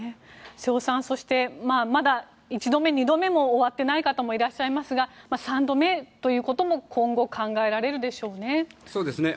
瀬尾さんそしてまだ１度目、２度目も終わっていない方もいらっしゃいますが３度目ということも今後考えられるでしょうね。